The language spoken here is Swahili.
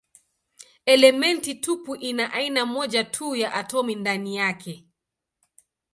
Elementi tupu ina aina moja tu ya atomi ndani yake.